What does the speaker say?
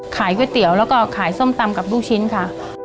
ก๋วยเตี๋ยวแล้วก็ขายส้มตำกับลูกชิ้นค่ะ